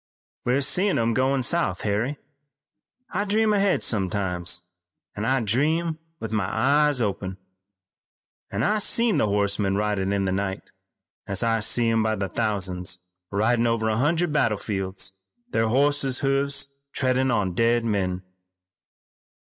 "We're seein' 'em goin' south, Harry. I dream ahead sometimes, an' I dream with my eyes open. I've seen the horsemen ridin' in the night, an' I see 'em by the thousands ridin' over a hundred battle fields, their horses' hoofs treadin' on dead men."